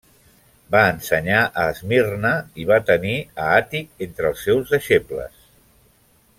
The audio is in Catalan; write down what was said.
Va ensenyar a Esmirna i va tenir a Àtic entre els seus deixebles.